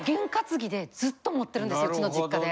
うちの実家で。